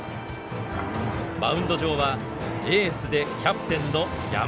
マウンド上はエースでキャプテンの山田。